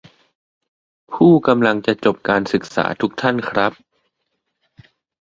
"ผู้กำลังจะจบการศึกษาทุกท่านครับ "